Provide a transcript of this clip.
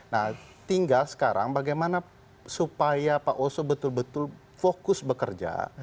nah tinggal sekarang bagaimana supaya pak oso betul betul fokus bekerja